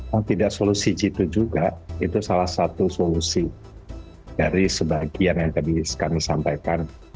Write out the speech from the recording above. yang tidak solusi jitu juga itu salah satu solusi dari sebagian yang tadi kami sampaikan